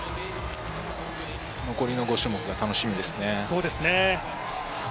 残りの５種目が楽しみですね